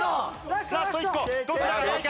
ラスト１個どちらが早いか？